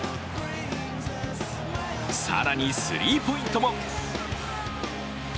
更にスリーポイントも。